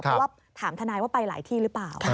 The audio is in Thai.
เพราะว่าถามทนายว่าไปหลายที่หรือเปล่า